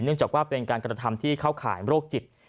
จากว่าเป็นการกระทำที่เข้าข่ายโรคจิต